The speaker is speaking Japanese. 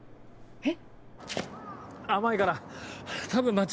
えっ？